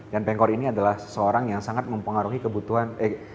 dan pengkor ini adalah seseorang yang sangat mempengaruhi kebutuhan